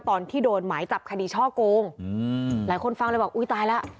ตอนที่โดนหมายจับคดีช่อโกงอืมหลายคนฟังเลยบอกอุ้ยตายแล้ว